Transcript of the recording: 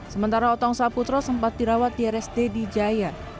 sementara otong saputro sempat dirawat di rsd di jaya